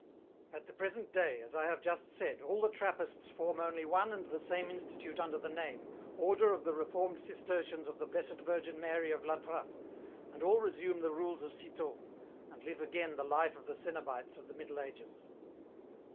" At the present day, as I have just said, all the Trappists form only one and the same institute under the name, Order of Reformed Cistercians of the Blessed Virgin Mary of La Trappe, and all resume the rules of Citeaux, and live again the life of the cenobites of the Middle Ages."